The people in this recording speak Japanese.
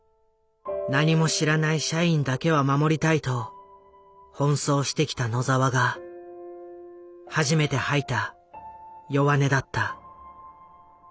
何も知らない社員だけは守りたいと奔走してきた野澤が初めて吐いた弱音だった。